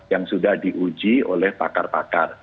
yang sudah diuji oleh pakar pakar